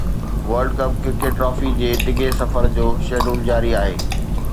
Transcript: world cup cricket trophy جي ڊگهي سفر جو شيڊول جاري آهي